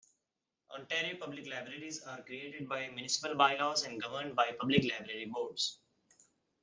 Ontario public libraries are created by municipal by-laws and governed by public library boards.